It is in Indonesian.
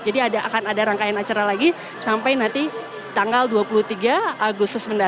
jadi akan ada rangkaian acara lagi sampai nanti tanggal dua puluh tiga agustus